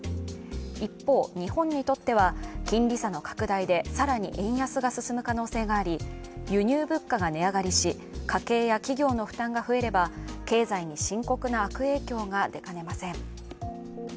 一方、日本にとっては金利差の拡大で更に円安が進む可能性があり、輸入物価が値上がりし、家計や企業の負担が増えれば経済に深刻な悪影響が出かねません。